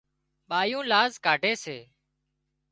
ٻايُون لاز ڪاڍي سي